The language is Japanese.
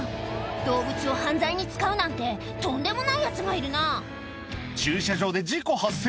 動物を犯罪に使うなんてとんでもないヤツがいるな駐車場で事故発生！